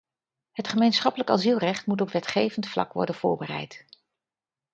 Het gemeenschappelijk asielrecht moet op wetgevend vlak worden voorbereid.